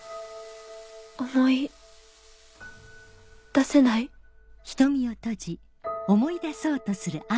思い出せないハッ！